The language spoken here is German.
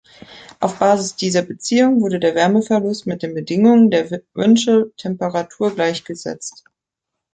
Auf Basis dieser Beziehung wurde der Wärmeverlust mit den Bedingungen der Windchill-Temperatur gleichgesetzt.